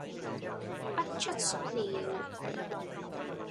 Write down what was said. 不出所料